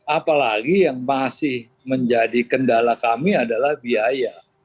apalagi yang masih menjadi kendala kami adalah biaya